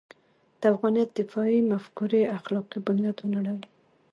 د افغانیت دفاعي مفکورې اخلاقي بنیاد ونړوي.